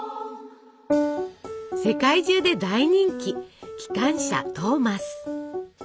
世界中で大人気「きかんしゃトーマス」。